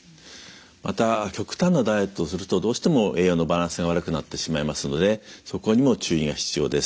また極端なダイエットをするとどうしても栄養のバランスが悪くなってしまいますのでそこにも注意が必要です。